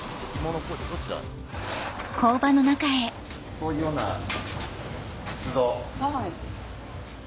こういうような仏像。